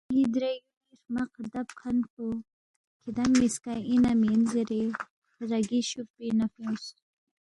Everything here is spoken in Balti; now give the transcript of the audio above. ن٘ی درے یُولی ہرمق ردب کھن پو کِھدانگ نِ٘یسکا اِنا مین زیرے رَگی شُوب پِنگ نہ فیُونگس،